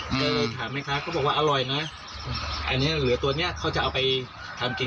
เคยถามแม่ค้าก็บอกว่าอร่อยนะอันเนี้ยเหลือตัวเนี้ยเขาจะเอาไปทำกิน